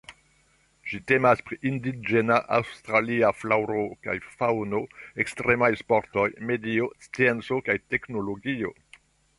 Ĝi temas pri indiĝena aŭstralia flaŭro kaj faŭno, ekstremaj sportoj, medio, scienco kaj teknologio.